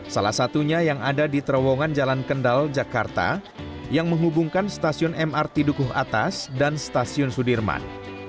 salah satunya yang ada di terowongan jalan kendal jakarta yang menghubungkan stasiun mrt dukuh atas dan stasiun sudirman